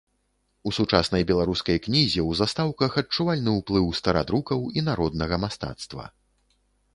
У сучаснай беларускай кнізе ў застаўках адчувальны уплыў старадрукаў і народнага мастацтва.